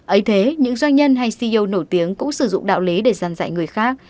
ây thế những doanh nhân hay ceo nổi tiếng cũng sử dụng đạo lý để giăn dạy người khác